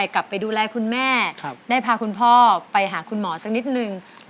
กลับไปดูแลคุณแม่ได้พาคุณพ่อไปหาคุณหมอสักนิดนึง